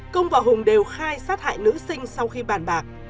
công và hùng đều khai sát hại nữ sinh sau khi bàn bạc